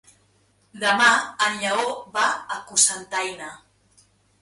Demà en Lleó va a Cocentaina.